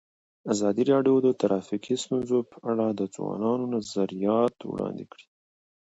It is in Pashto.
ازادي راډیو د ټرافیکي ستونزې په اړه د ځوانانو نظریات وړاندې کړي.